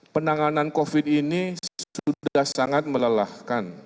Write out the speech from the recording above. penanganan covid ini sudah sangat melelahkan